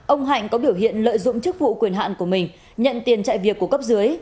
ông hạnh có biểu hiện lợi dụng chức vụ quyền hạn của mình nhận tiền chạy việc của cấp dưới